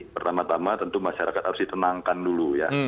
pertama tama tentu masyarakat harus ditenangkan dulu ya